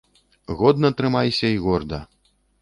Годна трымайся і горда!